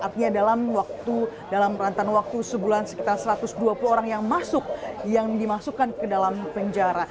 artinya dalam waktu dalam rantan waktu sebulan sekitar satu ratus dua puluh orang yang masuk yang dimasukkan ke dalam penjara